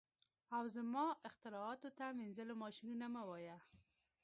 او زما اختراعاتو ته مینځلو ماشینونه مه وایه